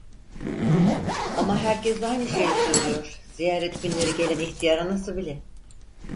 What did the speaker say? Ama herkes aynı şeyi söylüyor, ziyaret günleri gelen ihtiyar anası bile...